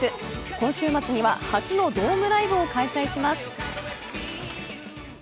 今週末には初のドームライブを開催します。